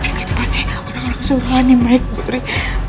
mereka itu pasti orang orang suruhani mike putri